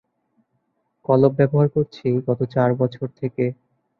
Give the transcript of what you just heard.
কলপ ব্যবহার করছি গত চার বছর থেকে।